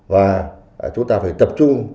và chúng ta phải tập trung